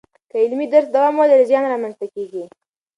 که عملي درس دوام ولري، زیان را منځ ته کیږي.